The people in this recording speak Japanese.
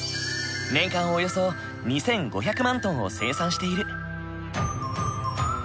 年間およそ２，５００万トンを生産している。